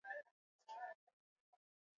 din selumani anakupasha zaidi